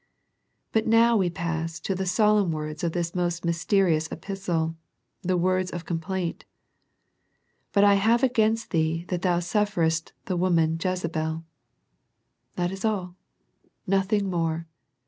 But now we pass to the solemn words of this most mysterious epistle, the words of com plaint. *' But I have against thee, that thou sufferest the woman Jezebel." That is all. Nothing more.